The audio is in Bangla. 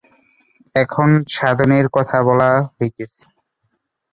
এখন সাধনের কথা বলা হইতেছে।